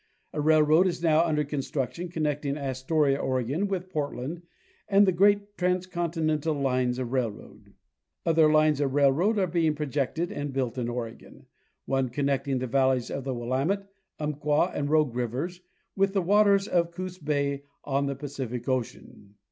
A railroad is now under construction connecting As toria, Oregon, with Portland and the great transcontinental lines of railroad. Other lines of railroad are being projected and built in Oregon, one connecting the valleys of the Willamette, Umpqua and Rogue rivers with the waters of Coos bay on the Pacific ocean.